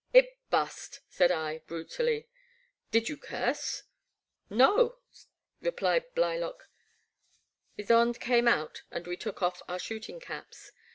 " It bust," said I, brutally, " did you curse ?"" No,'' replied Blylock. Ysonde came out and we took off our shooting caps.